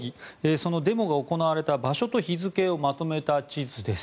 そのデモが行われた場所と日付をまとめた地図です。